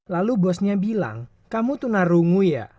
lalu bosnya bilang kamu tunarungu ya